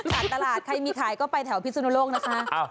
ขาดตลาดใครมีขายก็ไปแถวพิสุนโลกนะคะ